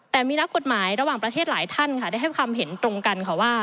แต่มีนักกฎหมายระหว่างประเทศหลายท่านค่ะได้ให้ความเห็นตรงกันค่ะว่า